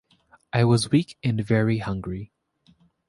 I was weak and very hungry.